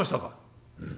「うん。